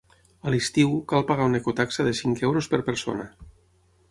A l’estiu, cal pagar una ecotaxa de cinc euros per persona.